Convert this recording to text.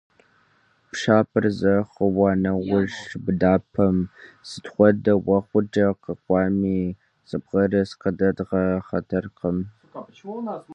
Пшапэр зэхэуа нэужь, быдапӀэм, сыт хуэдэ ӀуэхукӀэ къэкӀуами, зы бгырыс къыдэдгъэхьэртэкъым.